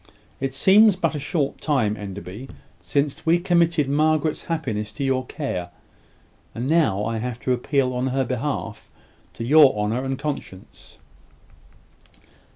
It seems but a short time, Enderby, since we committed Margaret's happiness to your care; and now I have to appeal on her behalf to your honour and conscience."